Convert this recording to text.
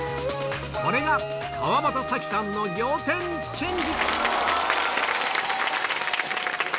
これが川端紗希さんの仰天チェンジ